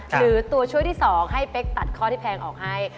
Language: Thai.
หรือตัวช่วยที่๒ให้เป๊กตัดข้อที่แพงออกให้